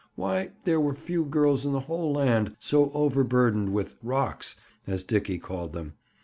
Why, there were few girls in the whole land so overburdened with "rocks"—as Dickie called them!